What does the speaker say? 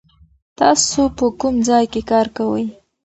تاسو په کوم ځای کې کار کوئ؟